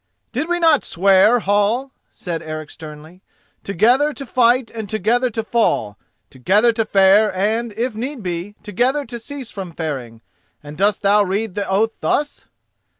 "Did we not swear, Hall," said Eric sternly, "together to fight and together to fall—together to fare and, if need be, together to cease from faring, and dost thou read the oath thus?